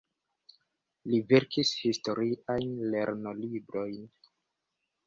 Li verkis historiajn lernolibrojn.